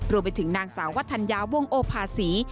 รวมไปถึงนางสาววัฒนยาวงโอภาษี